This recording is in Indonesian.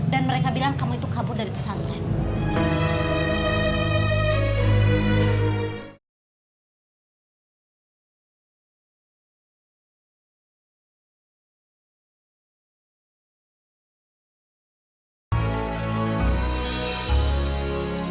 dan mereka bilang kamu itu kabur dari pesantren